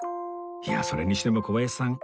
いやそれにしても小林さん